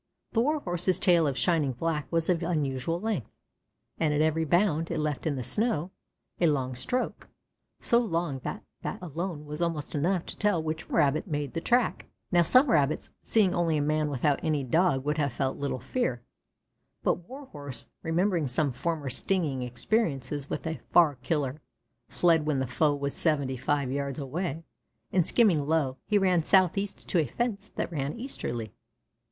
The Warhorse's tail of shining black, was of unusual length, and at every bound, it left in the snow, a long stroke, so long that that alone was almost enough to tell which Rabbit had made the track. Now some Rabbits seeing only a man without any Dog would have felt little fear, but Warhorse, remembering some former stinging experiences with a far killer, fled when the foe was seventy five yards away, and skimming low, he ran southeast to a fence that ran easterly.